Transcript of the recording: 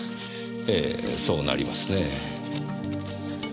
ええそうなりますね。